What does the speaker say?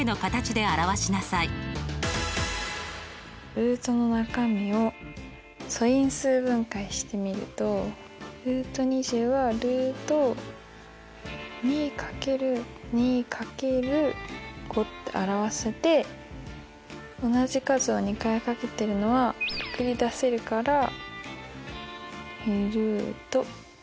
ルートの中身を素因数分解してみると。って表せて同じ数を２回掛けてるのはくくり出せるから２。